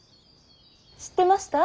知ってました？